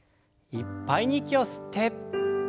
いっぱいに息を吸って。